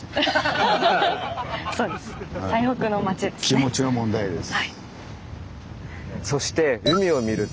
気持ちの問題です。